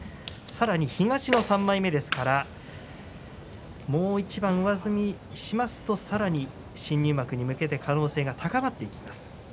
東の３枚目ですからもう一番、上積みしますとさらに新入幕に向けて可能性が高まってきます。